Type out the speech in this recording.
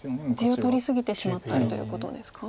地を取り過ぎてしまったりということですか。